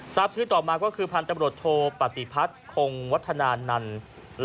ทราบชื่อต่อมาก็คือพันธบรวจโทปฏิพัฒน์คงวัฒนานันต์